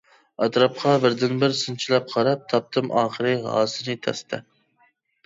ئەتراپقا بىردىنبىر سىنچىلاپ قاراپ، تاپتىم ئاخىرى ھاسىنى تەستە.